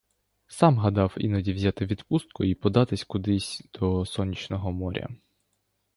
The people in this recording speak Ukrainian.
Сам гадав іноді взяти відпустку й податись кудись до сонячного моря.